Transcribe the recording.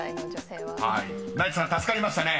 ［成田さん助かりましたね］